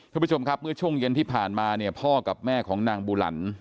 คุณผู้ชมครับเมื่อช่วงเย็นที่ผ่านมาเนี่ยพ่อกับแม่ของนางบูหลัน